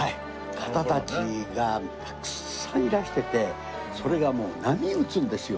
方たちがたくさんいらしててそれがもう波打つんですよ。